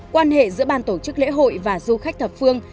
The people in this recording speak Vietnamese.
quan hệ giữa ban tổ chức lễ hội và du khách thập phương